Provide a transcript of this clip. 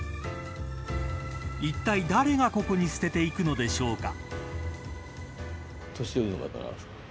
いったい誰がここに捨てていくのでしょうか。